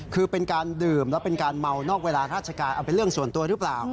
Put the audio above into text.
คือเป็นการดื่มแล้วเป็นการเมานอกเวลาราชการเอาเป็นเรื่องส่วนตัวหรือเปล่า